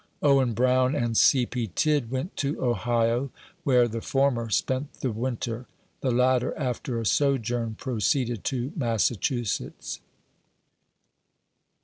Owen Brown and C. P. Tidd went to Ohio, where the former spent the win ter. The latter, after a sojourn, proceeded to Massachu setts.